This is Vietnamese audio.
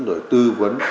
rồi tư vấn